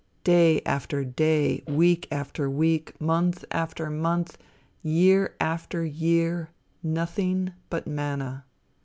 Day after day, week after week, month after month, year after year, nothing but manna.